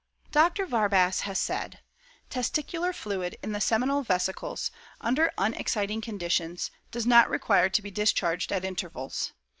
Dr. Warbasse has said: "Testicular fluid in the seminal vesicles, under unexciting conditions, does not require to be discharged at intervals.